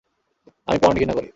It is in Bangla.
আমি পর্ণ ঘৃণা করি।